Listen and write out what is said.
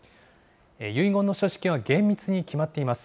遺言の書式は厳密に決まっています。